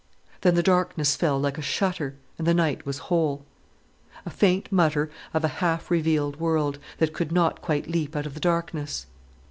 Then the darkness fell like a shutter, and the night was whole. A faint mutter of a half revealed world, that could not quite leap out of the darkness!